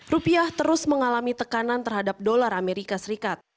rupiah terus mengalami tekanan terhadap dolar amerika serikat